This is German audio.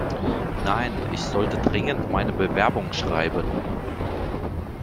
Nein, ich sollte dringend meine Bewerbung schreiben.